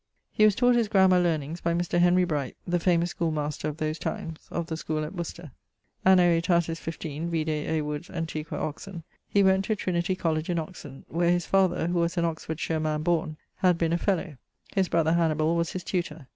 He was taught his grammar learnings by Mr. Bright (the famous school master of those times) of the schoole at Worcester. Anno ætatis <15> (vide A. Wood's Antiq. Oxon.) he went to Trinity Colledge in Oxon, where his father (who was an Oxfordshire man borne) had been a fellowe. His brother Hannibal was his tutor.